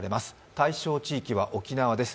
対象地域は沖縄です。